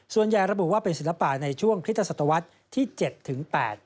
ส่วนใหญ่ระบุว่าเป็นศิลปะในช่วงคริสตศตวรรษที่๗ถึง๘